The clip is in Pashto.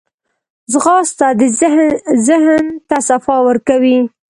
ځغاسته د ذهن ته صفا ورکوي